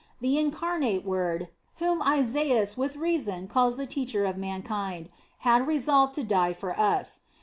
The Incarnate Word, whom Isaias with reason calls the Teacher of mankind, had resolved to die for us.